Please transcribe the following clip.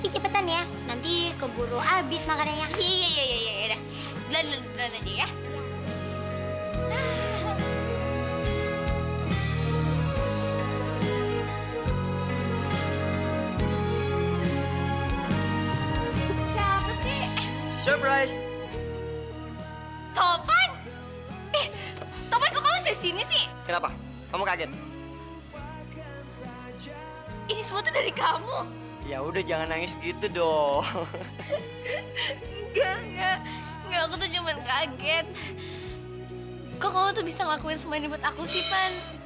kok kamu tuh bisa ngelakuin semuanya buat aku sih pan